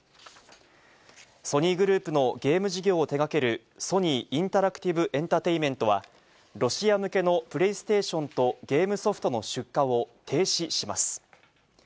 ソニーグループのゲーム事業を手がけるソニー・インタラクティブエンタテインメントは、ロシア向けのプレイステーションとゲームソフトの出荷を停止します。